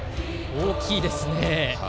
大きいですね。